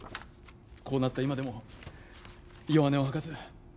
こうなった今でも弱音を吐かず